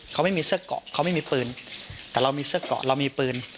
เขาไม่มีเสื้อเกาะเขาไม่มีปืนแต่เรามีเสื้อเกาะเรามีปืน